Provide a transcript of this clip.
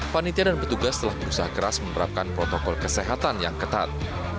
panitia dan petugas telah berusaha keras menerapkan protokol kesehatan yang ketat